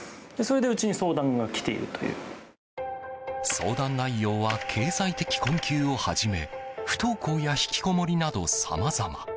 相談内容は経済的困窮をはじめ不登校や引きこもりなどさまざま。